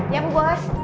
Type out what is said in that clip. iya bu bos